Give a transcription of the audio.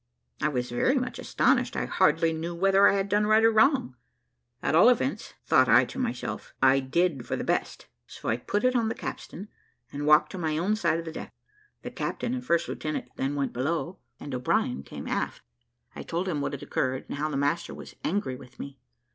I was very much astonished; I hardly knew whether I had done right or wrong; at all events, thought I to myself, I did for the best; so I put it on the capstan, and walked to my own side of the deck. The captain and first lieutenant then went below, and O'Brien came aft. I told him what had occurred, and how the master was angry with me.